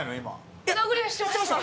今。